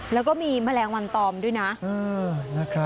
แล้วก็มีแมลงวันตอมด้วยนะ